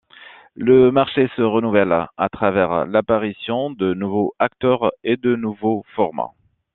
Le marché se renouvelle à travers l'apparition de nouveaux acteurs et de nouveaux formats.